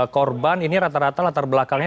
korban ini rata rata latar belakangnya